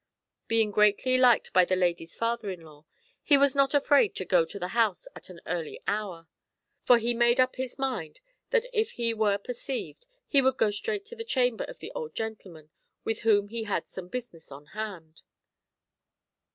Being greatly liked by the lady's father in law, he was not afraid to go to the house at an early hour, for he made 148 THE HEPrAMERON. up his mind that if he were perceived, he would go straight to the chamber of the old gentleman, with whom he had some business on hand.